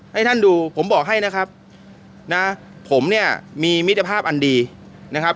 ให้ท่านดูผมบอกให้นะครับนะผมเนี่ยมีมิตรภาพอันดีนะครับ